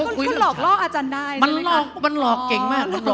คุณหลอกล้ออาจารย์ได้มันหลอกเก่งมาก